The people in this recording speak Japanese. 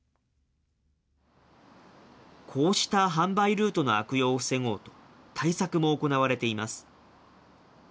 こうした販売ルートの悪用を防ごうと、対策も行われています。